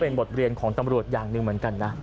เป็นบทเรียนของตำรวจอย่างหนึ่งเหมือนกันนะ